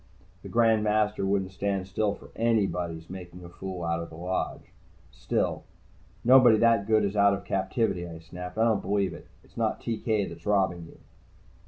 The Grand Master wouldn't stand still for anybody's making a fool out of the Lodge. Still: "Nobody that good is out of captivity," I snapped. "I don't believe it. It's not TK that's robbing you."